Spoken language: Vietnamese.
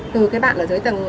từ cái bạn ở dưới tầng ba